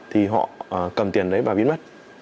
thì họ cầm tiền đấy và biến mất